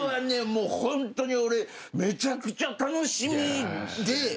もうホントに俺めちゃくちゃ楽しみで。